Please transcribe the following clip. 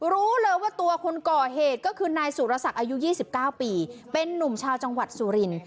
รู้เลยว่าตัวคนก่อเหตุก็คือนายสุรศักดิ์อายุ๒๙ปีเป็นนุ่มชาวจังหวัดสุริน